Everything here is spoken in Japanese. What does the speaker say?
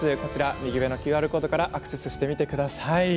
右上のＱＲコードからアクセスしてみてください。